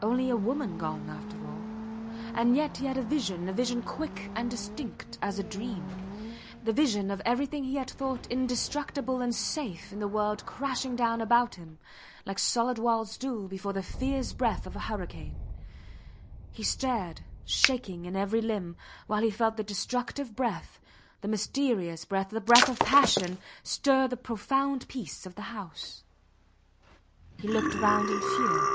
Only a woman gone, after all; and yet he had a vision, a vision quick and distinct as a dream: the vision of everything he had thought indestructible and safe in the world crashing down about him, like solid walls do before the fierce breath of a hurricane. He stared, shaking in every limb, while he felt the destructive breath, the mysterious breath, the breath of passion, stir the profound peace of the house. He looked round in fear.